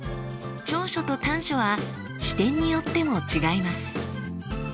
長所と短所は視点によっても違います。